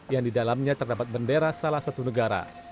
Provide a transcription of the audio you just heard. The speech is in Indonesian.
yang di dalamnya terdapat bendera salah satu negara